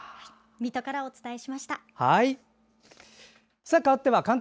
水戸からお伝えしました。